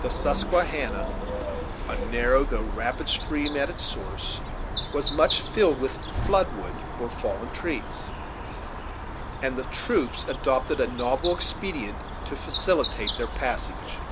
The Susquehanna, a narrow though rapid stream at its source, was much filled with "flood wood," or fallen trees; and the troops adopted a novel expedient to facilitate their passage.